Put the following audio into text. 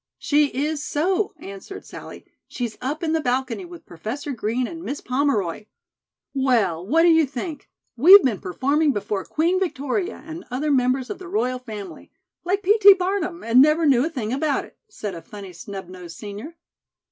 "She is so," answered Sallie. "She's up in the balcony with Professor Green and Miss Pomeroy." "Well, what do you think, we've been performing before 'Queen Victoria and other members of the royal family,' like P. T. Barnum, and never knew a thing about it," said a funny snub nosed senior.